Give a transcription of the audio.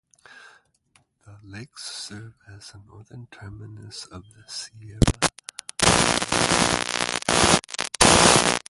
The lakes serve as the northern terminus of the Sierra High Route.